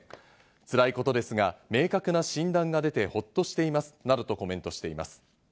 つらいことですが明確な診断が出て、ほっとしていますなどとコメントしています。